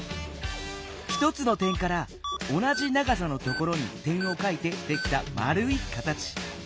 １つの点から同じ長さのところに点をかいてできたまるい形。